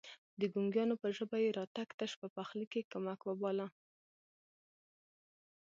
د ګونګيانو په ژبه يې راتګ تش په پخلي کې کمک وباله.